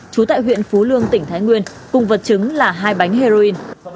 trú tại huyện phú lương tỉnh thái nguyên cùng vật chứng là hai bánh heroin